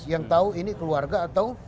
yang tahu ini keluarga atau